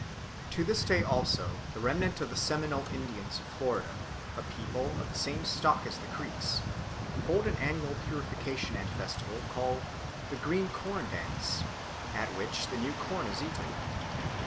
To this day, also, the remnant of the Seminole Indians of Florida, a people of the same stock as the Creeks, hold an annual purification and festival called the Green Corn Dance, at which the new corn is eaten.